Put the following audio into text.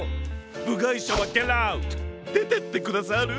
ぶがいしゃはゲットアウト！でてってくださる？